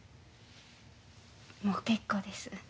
もう結構です。